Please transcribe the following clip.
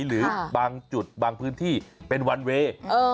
หรือบางจุดบางพื้นที่เป็นวันเวย์